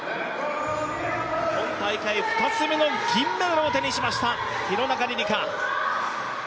今大会２つ目の銀メダルを手にしました、廣中璃梨佳。